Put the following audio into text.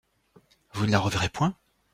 Vous ne la reverrez point?